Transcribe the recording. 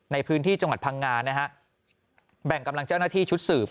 ในพื้นที่จังหวัดพังงานะฮะแบ่งกำลังเจ้าหน้าที่ชุดสืบ